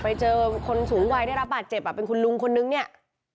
ไปเจอคนสูงวัยได้รับบาดเจ็บอ่ะเป็นคุณลุงคนนึงเนี่ย